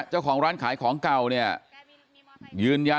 เจ้าของร้านขายของเก่าเนี่ย